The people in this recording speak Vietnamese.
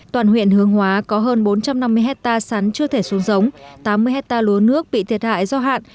toàn huyện hướng hóa có hơn bốn trăm năm mươi hectare sắn chưa thể xuống giống tám mươi hectare lúa nước bị thiệt hại do hạn